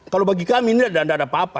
kalau bagi kami ini tidak ada apa apa